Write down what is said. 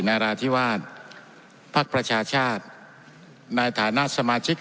นาราธิวาสภักดิ์ประชาชาติในฐานะสมาชิก